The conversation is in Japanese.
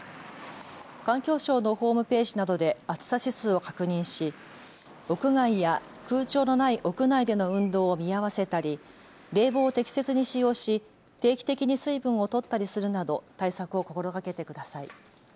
環境省のホームページなどで暑さ指数を確認し屋外や空調のない屋内での運動を見合わせたり冷房を適切に使用し定期的に水分をとったりするなど対策を心がけてください。